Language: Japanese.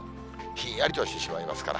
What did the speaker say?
ひんやりとしてしまいますから。